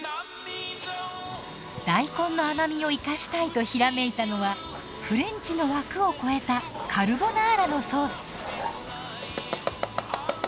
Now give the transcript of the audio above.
大根の甘みを生かしたいとひらめいたのはフレンチの枠を超えたカルボナーラのソース。